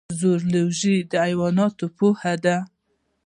زولوژی د حیواناتو پوهنه ده